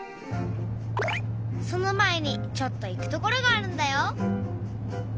その前にちょっと行くところがあるんだよ。